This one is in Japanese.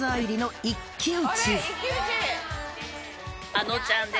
あのちゃんで。